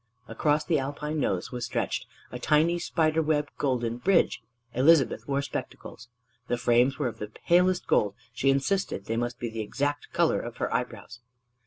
Across the Alpine nose was stretched a tiny spiderweb golden bridge: Elizabeth wore spectacles. The frames were of the palest gold she insisted they must be the exact color of her eyebrows.